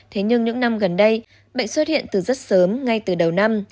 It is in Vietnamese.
thế nhưng những năm gần đây bệnh xuất hiện từ rất sớm ngay từ đầu năm